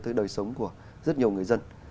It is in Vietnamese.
tới đời sống của rất nhiều người dân